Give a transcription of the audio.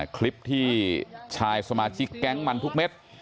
คลิปที่ชายสมาชิกแก๊งมันทุกเม็ด